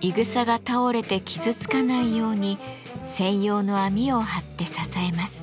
いぐさが倒れて傷つかないように専用の網を張って支えます。